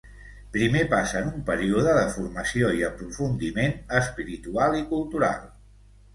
Primer passen un període de formació i aprofundiment espiritual i cultural.